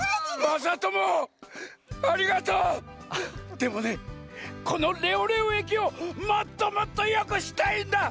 でもねこのレオレオえきをもっともっとよくしたいんだ！